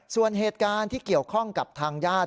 ส่วนเหตุการณ์ที่เกี่ยวข้องกับทางญาติ